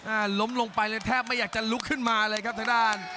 ล้มลงไปเลยแทบไม่อยากจะลุกขึ้นมาเลยครับทางด้าน